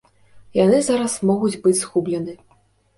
Яны зараз могуць быць згублены.